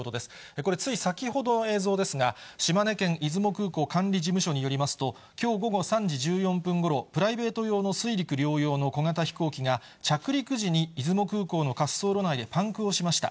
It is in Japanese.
これ、つい先ほどの映像ですが、島根県出雲空港管理事務所によりますと、きょう午後３時１４分ごろ、プライベート用の水陸両用の小型飛行機が、着陸時に出雲空港の滑走路内でパンクをしました。